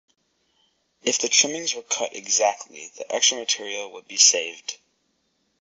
If the trimmings were cut exactly, the extra material would be saved.